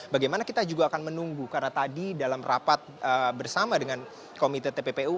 bagaimana kita juga akan menunggu karena tadi dalam rapat bersama dengan komite tppu